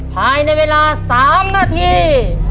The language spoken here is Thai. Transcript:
ภายในเวลา๓นาที